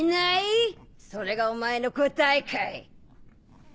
それがお前の答えかい？